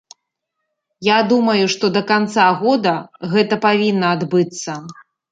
Я думаю, што да канца года гэта павінна адбыцца.